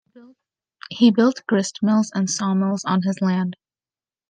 He built grist mills and sawmills on his land.